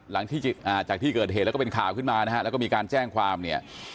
หลังจากที่จากที่เกิดเหตุแล้วก็เป็นข่าวขึ้นมานะฮะแล้วก็มีการแจ้งความเนี่ย